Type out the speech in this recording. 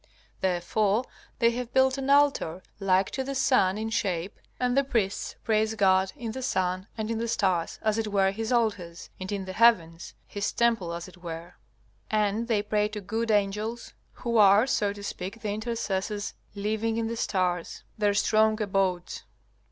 Therefore they have built an altar like to the sun in shape, and the priests praise God in the sun and in the stars, as it were His altars, and in the heavens, His temple as it were; and they pray to good angels, who are, so to speak, the intercessors living in the stars, their strong abodes.